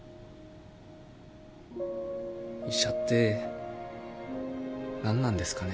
医者って何なんですかね。